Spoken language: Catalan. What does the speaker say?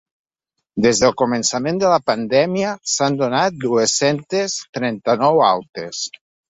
Des del començament de la pandèmia, s’han donat dues-centes trenta-nou altes.